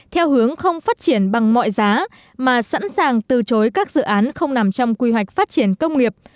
theo hướng không phát triển bằng mọi giá mà sẵn sàng từ chối các dự án không nằm trong quy hoạch phát triển công nghiệp